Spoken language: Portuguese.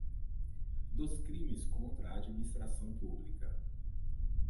Dos crimes contra a administração pública.